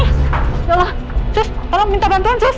ya allah sus tolong minta bantuan sus